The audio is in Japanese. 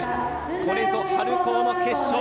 これぞ春高の決勝。